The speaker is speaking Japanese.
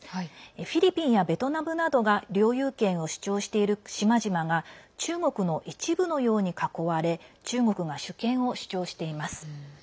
フィリピンやベトナムなどが領有権を主張している島々が中国の一部のように囲われ中国が主権を主張しています。